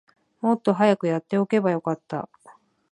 もっと早くやっておけばよかった